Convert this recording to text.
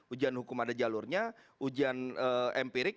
ujian hukum ada jalurnya ujian empirik